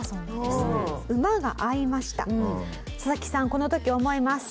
この時思います。